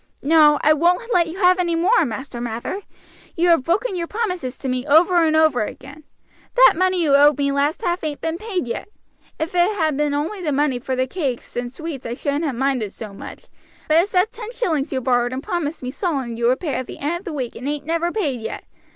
"No, I won't let you have any more, Master Mather. You have broken your promises to me over and over again. That money you owed me last half ain't been paid yet. If it had only been the money for the cakes and sweets I shouldn't ha' minded so much, but it's that ten shillings you borrowed and promised me solemn you would pay at the end of the week and ain't never paid yet.